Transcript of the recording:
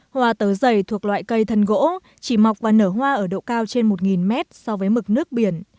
hoa tớ dày thuộc loại cây thân gỗ chỉ mọc và nở hoa ở độ cao trên một mét so với mực nước biển